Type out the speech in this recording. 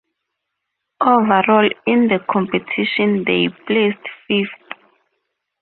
Overall in the competition they placed fifth.